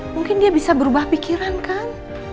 mungkin dia bisa berubah pikiran kan